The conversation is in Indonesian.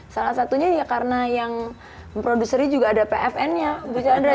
salah satunya ya karena yang produsernya juga ada pfn nya gus chandra